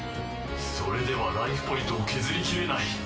それではライフポイントを削りきれない。